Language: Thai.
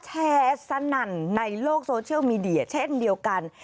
สนั่นในโลกโซเชียลมีเดียเช่นเดียวกัน